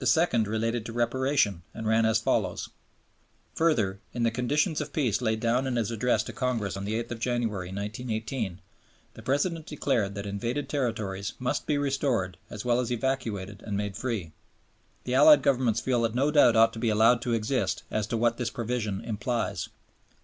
The second related to Reparation and ran as follows: "Further, in the conditions of peace laid down in his Address to Congress on the 8th January, 1918 the President declared that invaded territories must be restored as well as evacuated and made free. The Allied Governments feel that no doubt ought to be allowed to exist as to what this provision implies.